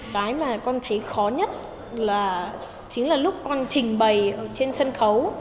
đó là cái mà con thấy khó nhất là chính là lúc con trình bày trên sân khấu